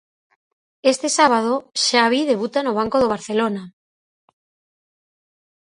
Este sábado, Xavi debuta no banco do Barcelona.